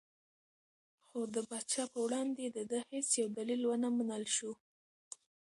خو د پاچا په وړاندې د ده هېڅ یو دلیل ونه منل شو.